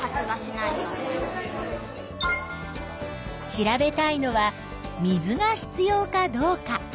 調べたいのは水が必要かどうか。